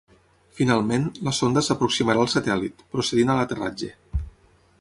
Finalment, la sonda s'aproximarà al satèl·lit, procedint a l'aterratge.